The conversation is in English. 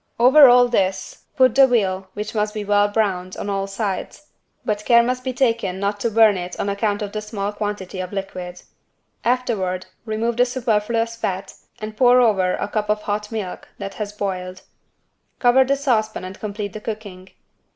Over all this put the veal which must be well browned on all sides, but care must be taken not to burn it on account of the small quantity of liquid. Afterward, remove the superfluous fat and pour over a cup of hot milk, that has boiled. Cover the saucepan and complete the cooking.